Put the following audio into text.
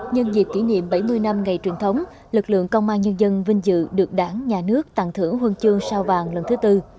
nhân dịp kỷ niệm bảy mươi năm ngày truyền thống lực lượng công an nhân dân vinh dự được đảng nhà nước tặng thưởng huân chương sao vàng lần thứ tư